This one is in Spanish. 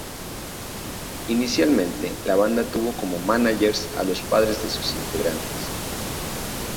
Inicialmente la banda tuvo como mánagers a los padres de sus integrantes.